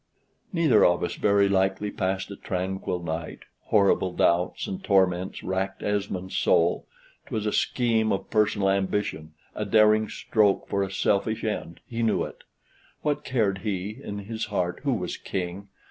Neither of us very likely passed a tranquil night; horrible doubts and torments racked Esmond's soul: 'twas a scheme of personal ambition, a daring stroke for a selfish end he knew it. What cared he, in his heart, who was King?